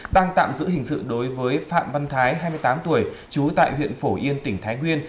đang tạm giữ hình sự đối với phạm văn thái hai mươi tám tuổi trú tại huyện phổ yên tỉnh thái nguyên